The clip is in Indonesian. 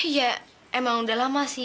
ya emang udah lama sih